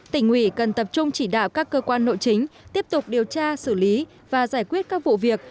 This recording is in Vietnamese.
tỉnh ủy cần tập trung chỉ đạo các cơ quan nội chính tiếp tục điều tra xử lý và giải quyết các vụ việc